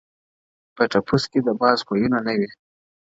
• په ټپوس کي د باز خویونه نه وي ,